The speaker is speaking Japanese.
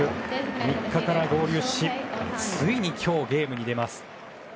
３日から合流しついに今日、ゲームに出ます。